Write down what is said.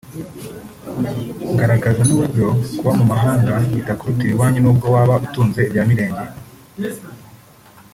ngaragaza n’uburyo kuba mu mahanga bitakurutira iwanyu nubwo waba utunze ibya mirenge